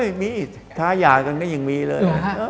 โอ้ยมีท้าย่ากันก็ยังมีเลย